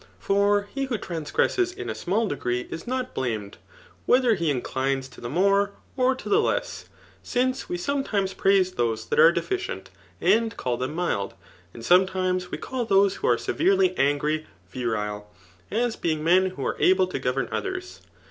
For he who transgresses in a small de« gree is not blamed, whether he inclines to the more^ or to the less; since we sMnetimes praise those tlut wrt defideat, and call them mild; and sometimes *we caH diose who are severely angry, virile, as bemg men wfa5 are able to govern others.